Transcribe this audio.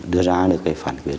đưa ra được cái phản quyết